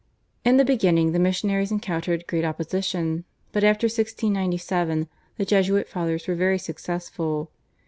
In the beginning the missionaries encountered great opposition, but after 1697 the Jesuit Fathers were very successful.